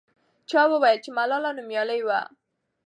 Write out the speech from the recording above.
چا وویل چې ملالۍ نومیالۍ وه.